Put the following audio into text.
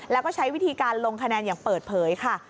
แล้วก็ใช้วิธีการลงคะแนนอย่างเปิดเผยค่ะ